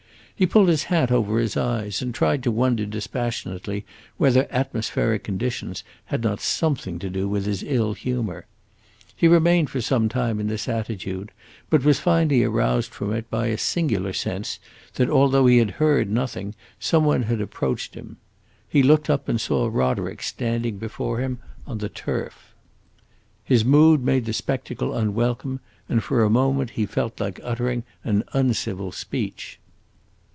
He pulled his hat over his eyes, and tried to wonder, dispassionately, whether atmospheric conditions had not something to do with his ill humor. He remained for some time in this attitude, but was finally aroused from it by a singular sense that, although he had heard nothing, some one had approached him. He looked up and saw Roderick standing before him on the turf. His mood made the spectacle unwelcome, and for a moment he felt like uttering an uncivil speech.